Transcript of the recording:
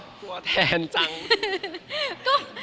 ตัวแทนจัง